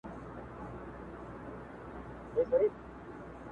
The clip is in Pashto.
د اصولنامې له مخې اشرف الاشراف دي